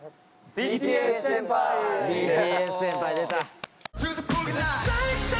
ＢＴＳ先輩出た！